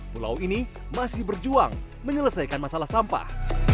pulau ini masih berjuang menyelesaikan masalah sampah